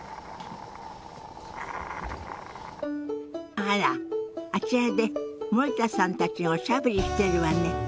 あらあちらで森田さんたちがおしゃべりしてるわね。